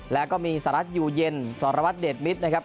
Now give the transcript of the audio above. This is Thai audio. แล้วก็มีสหรัฐอยู่เย็นสรวัตรเดชมิตรนะครับ